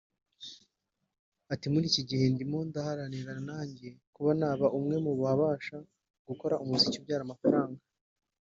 Ati “ muri iki gihe ndimo ndaharanira nanjye kuba naba umwe mubabasha gukora umuziki ubyara amafaranga